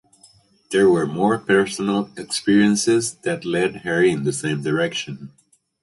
There were more personal experiences that led her in the same direction.